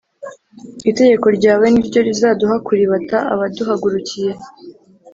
Itegeko ryawe ni ryo rizaduha kuribata abaduhagurukiye